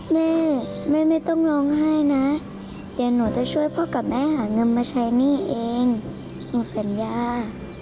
แม่แม่ไม่ต้องร้องไห้นะเดี๋ยวหนูจะช่วยพ่อกับแม่หาเงินมาใช้หนี้เองหนูสัญญา